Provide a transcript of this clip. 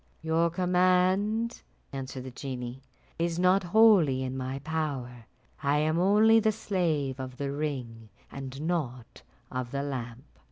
"Your command," answered the genie, "is not wholly in my power; I am only the slave of the ring, and not of the lamp."